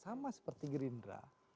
sama seperti gerinda